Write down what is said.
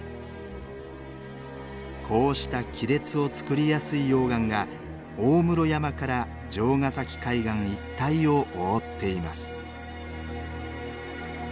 こうした亀裂をつくりやすい溶岩が大室山から城ケ崎海岸一帯を覆っています。